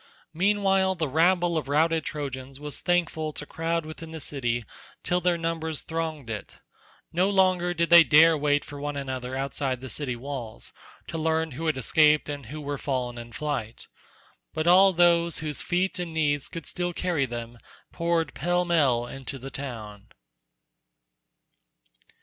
Meanwhile the rabble of routed Trojans was thankful to crowd within the city till their numbers thronged it; no longer did they dare wait for one another outside the city walls, to learn who had escaped and who were fallen in fight, but all whose feet and knees could still carry them poured pell mell into the town.